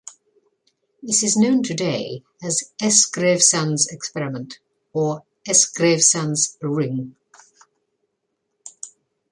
This is known today as "'s Gravesande's experiment" or "'s Gravesande's ring".